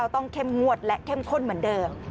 ต้องเข้มงวดและเข้มข้นเหมือนเดิม